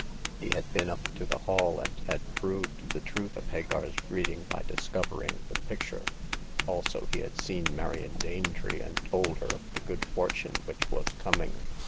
He had been up to the Hall, and had proved the truth of Hagar's reading by discovering the picture ; also he had seen Marion Danetree, and told her of the good fortune which was coming.